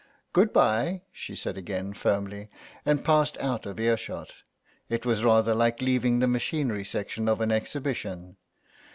"Good bye," she said again firmly, and passed out of earshot; it was rather like leaving the machinery section of an exhibition.